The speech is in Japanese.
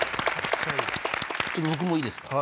ちょっと僕もいいですか？